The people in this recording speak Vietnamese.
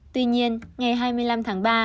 tuy nhiên ngày hai mươi năm tháng ba